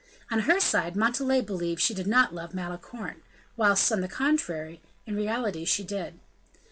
On her side, Montalais believed she did not love Malicorne; whilst, on the contrary, in reality she did.